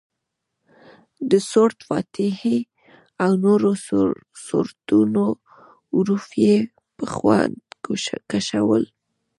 د سورت فاتحې او نورو سورتونو حروف یې په خوند کشول.